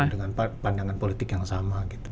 dengan pandangan politik yang sama gitu